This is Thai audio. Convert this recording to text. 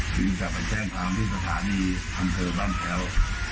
จึงจะไปแจ้งความที่สถานีอำเภอบ้านแพ้ว